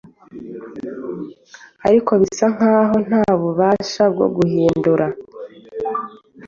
ariko bisa nkaho nta bubasha bwo guhindura